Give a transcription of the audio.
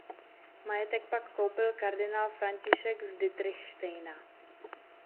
Majetek pak koupil kardinál František z Ditrichštejna.